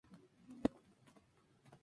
Está formado por órganos internos y externos.